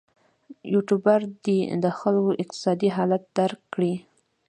یوټوبر دې د خلکو اقتصادي حالت درک کړي.